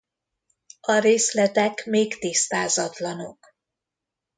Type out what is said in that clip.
A részletek még tisztázatlanok.